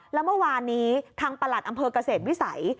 แล้วเมื่อวานนี้ทางประหลัดอำเภอกเกษตรวิสัย